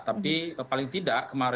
tapi paling tidak kemarin